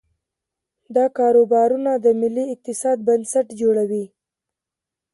دا کاروبارونه د ملي اقتصاد بنسټ جوړوي.